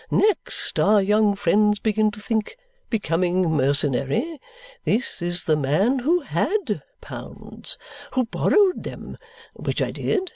Next, our young friends begin to think, becoming mercenary, 'This is the man who HAD pounds, who borrowed them,' which I did.